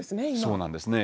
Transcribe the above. そうなんですね。